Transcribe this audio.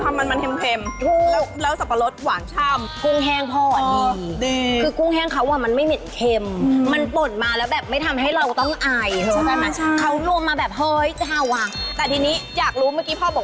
คือมันมีความมันมันเค็มแล้วสับปะรดหวานช่าม